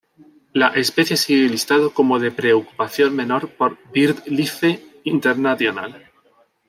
La especie sigue listado como de preocupación menor por Birdlife International.